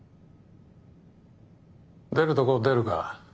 出るとこ出るか。